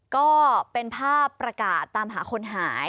ก็เป็นภาพประกาศตามหาคนหาย